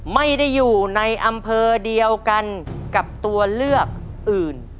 ไม่ได้อยู่ในอำเภอเดียวกันกับตัวเลือกอื่น